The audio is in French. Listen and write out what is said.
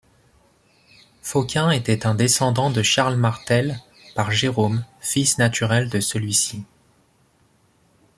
Folcuin était un descendant de Charles Martel par Jérôme, fils naturel de celui-ci.